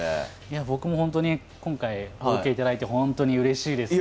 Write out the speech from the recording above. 僕も本当に今回お受けいただいて本当にうれしいです。